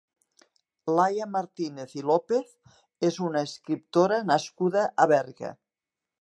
Laia Martinez i Lopez és una escriptora nascuda a Berga.